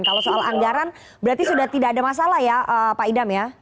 kalau soal anggaran berarti sudah tidak ada masalah ya pak idam ya